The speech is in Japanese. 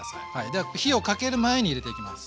では火をかける前に入れていきます。